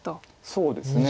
そうですね。